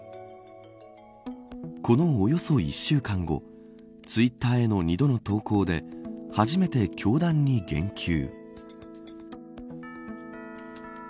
このおよそ１週間後ツイッターへの２度の投稿で初めて教団に言及。